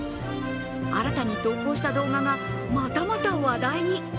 新たに投稿した動画がまたまた話題に。